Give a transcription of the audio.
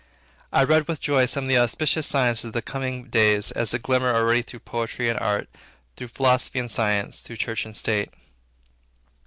I read with joy some of the auspicious signs of the coming days, as they glimmer already through poetry and art, through philosophy and science, through church and state.